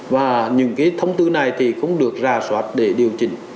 và những cái thông tư này thì cũng được ra soát để điều chỉnh